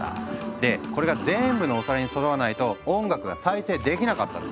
でこれが全部のお皿にそろわないと音楽が再生できなかったの。